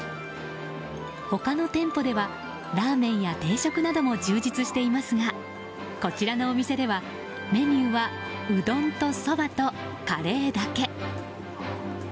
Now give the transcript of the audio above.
他の店舗ではラーメンや定食なども充実していますがこちらのお店ではメニューはうどんとそばとカレーだけ。